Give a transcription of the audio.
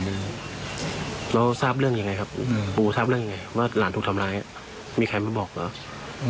แล้วทราบเรื่องยังไงครับอืมปูทราบเรื่องยังไงว่าหลานถูกทำร้ายมีใครมาบอกเหรอ